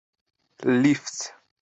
“Lift”